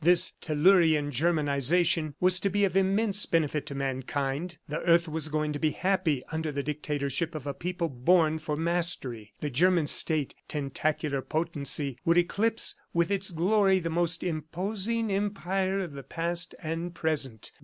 This "telurian germanization" was to be of immense benefit to mankind. The earth was going to be happy under the dictatorship of a people born for mastery. The German state, "tentacular potency," would eclipse with its glory the most imposing empire of the past and present.